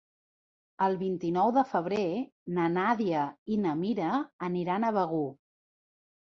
El vint-i-nou de febrer na Nàdia i na Mira aniran a Begur.